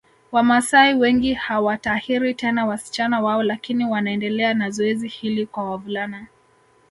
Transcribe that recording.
Wamaasai wengi hawatahiri tena wasichana wao lakini wanaendelea na zoezi hili kwa wavulana